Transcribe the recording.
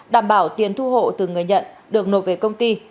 đảm bảo tiền thu hộ từ người nhận được nộp về công ty